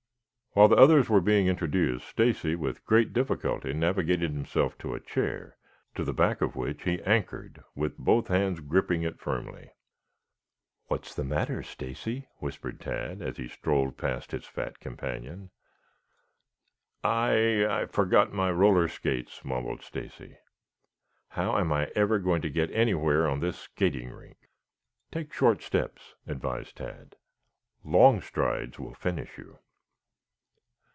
While the others were being introduced, Stacy with great difficulty navigated himself to a chair, to the back of which he anchored with both hands gripping it firmly. "What's the matter, Stacy?" whispered Tad, as he strolled past his fat companion. "I I forgot to bring my roller skates," mumbled Stacy. "How am I ever going to get anywhere on this skating rink?" "Take short steps," advised Tad. "Long strides will finish you."